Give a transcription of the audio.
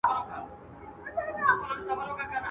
له دوا او له طبیب سره یې ژوند وو.